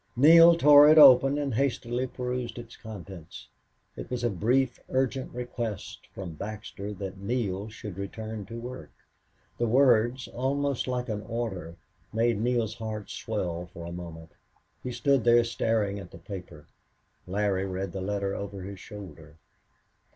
Neale tore it open and hastily perused its contents. It was a brief, urgent request from Baxter that Neale should return to work. The words, almost like an order, made Neale's heart swell for a moment. He stood there staring at the paper. Larry read the letter over his shoulder.